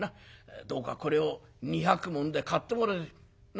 どうかこれを二百文で買ってもらいたい。な？